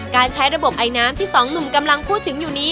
การใช้ระบบไอน้ำที่สองหนุ่มกำลังพูดถึงอยู่นี้